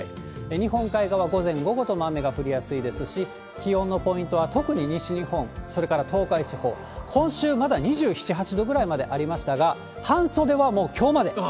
日本海側、午前、午後とも雨が降りやすいですし、気温のポイントは特に西日本、それから東海地方、今週、まだ２７、８度ぐらいまでありましたが、半袖はもうきょうまで。